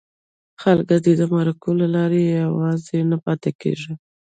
خلک دې د مرکو له لارې یوازې نه پاتې کېږي.